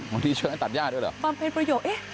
วันนี้เชิญให้ตัดหญ้าด้วยเหรอปรับเป็นประโยชน์เอ๊ะ